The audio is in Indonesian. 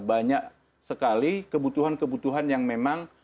banyak sekali kebutuhan kebutuhan yang memang